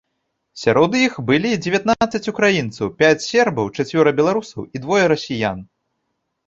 Сярод іх былі дзевятнаццаць украінцаў, пяць сербаў, чацвёра беларусаў і двое расіян.